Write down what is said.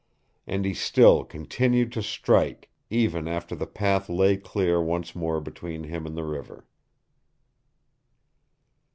And he still continued to strike even after the path lay clear once more between him and the river.